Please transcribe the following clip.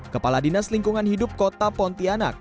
kepala dinas lingkungan hidup kota pontianak